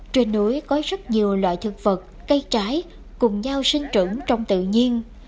trên núi có rất nhiều loại thực vật cây trái cùng nhau sinh trưởng trong tự nhiên